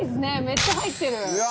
めっちゃ入ってる！